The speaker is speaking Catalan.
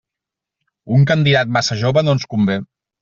Un candidat massa jove no ens convé.